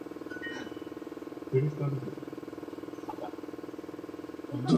Gaydamak has donated to many Israeli organizations, including Magen David Adom and Hatzolah.